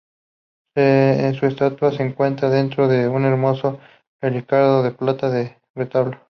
Su estatua se encuentra dentro de un hermoso relicario de plata en el retablo.